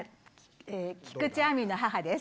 菊地亜美の母です